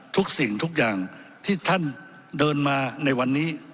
ทุกสิ่งทุกอย่างที่ท่านเดินมาในวันนี้